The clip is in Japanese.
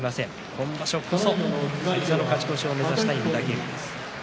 今場所こそ勝ち越しを目指したい御嶽海です。